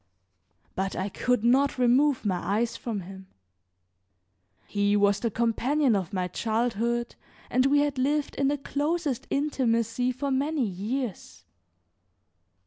But I could not remove my eyes from him. He was the companion of my childhood and we had lived in the closest intimacy for many years.